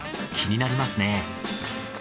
気になりますね。